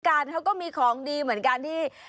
การเขาก็มีของดีเหมือนกันที่